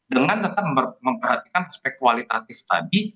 dengan tetap memperhatikan aspek kualitatif tadi